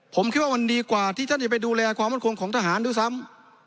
ผมคิดว่ามันดีกว่าที่ท่านจะไปดูแลความมั่นคงของทหารด้วยซ้ำ